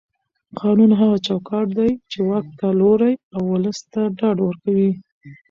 قانون هغه چوکاټ دی چې واک ته لوری او ولس ته ډاډ ورکوي